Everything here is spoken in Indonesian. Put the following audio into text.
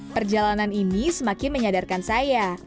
perjalanan ini semakin menyadarkan saya